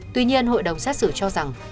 tuy nhiên hội đồng xét xử cho rằng